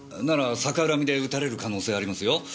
なら逆恨みで撃たれる可能性ありますよ。